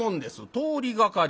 「通りがかり？